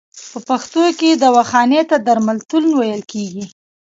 په پښتو کې دواخانې ته درملتون ویل کیږی.